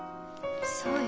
そうよ。